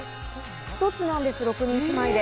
１つなんです、６人姉妹で。